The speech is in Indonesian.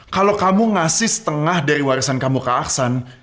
kalau kamu ngasih setengah dari warisan kamu ke aksan